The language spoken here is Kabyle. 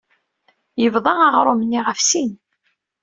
Yebḍa aɣrum-nni ɣef sin.